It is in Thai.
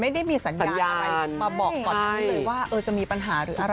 ไม่ได้มีสัญญาณสัญญาณมาบอกก่อนเลยว่าเออจะมีปัญหาหรืออะไรกัน